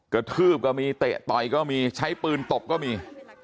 กระทืบก็มีเตะต่อยก็มีใช้ปืนตบก็มี